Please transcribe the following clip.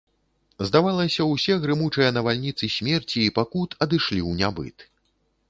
Здавалася, усе грымучыя навальніцы смерці і пакут адышлі ў нябыт.